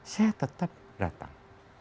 saya tetap datang